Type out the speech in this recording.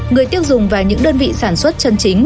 người tiêu dùng và những đơn vị sản xuất chân chính